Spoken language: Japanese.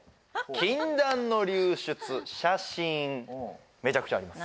禁断の流出写真めちゃくちゃあります